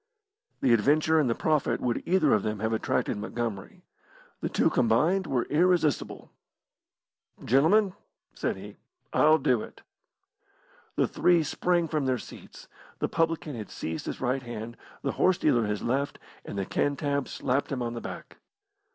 The adventure and the profit would either of them have attracted Montgomery. The two combined were irresistible. "Gentlemen," said he, "I'll do it!" The three sprang from their seats. The publican had seized his right hand, the horse dealer his left, and the Cantab slapped him on the back.